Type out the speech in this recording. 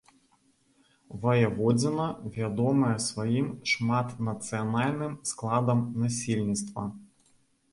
Ваяводзіна вядомая сваім шматнацыянальным складам насельніцтва.